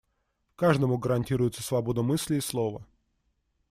Каждому гарантируется свобода мысли и слова.